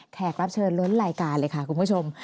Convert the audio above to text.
กรับเชิญล้นรายการเลยค่ะคุณผู้ชม